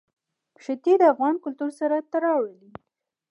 ښتې د افغان کلتور سره تړاو لري.